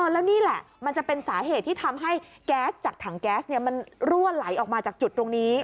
แล้วนี่แหละมันจะเป็นสาเหตุที่ทำให้แก๊สจากถังแก๊สมันรั่วไหลออกมาจากจุดตรงนี้